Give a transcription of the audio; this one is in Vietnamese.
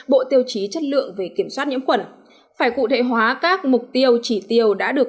bộ tiêu chí chất lượng về kiểm soát nhiễm khuẩn phải cụ thể hóa các mục tiêu chỉ tiêu đã được